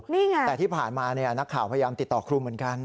นี่ไงแต่ที่ผ่านมานักข่าวพยายามติดต่อครูเหมือนกัน